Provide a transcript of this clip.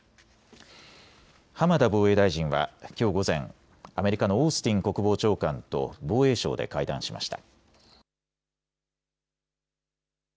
浜田防衛大臣はきょう午前、アメリカのオースティン国防長官と防衛省で会談しました。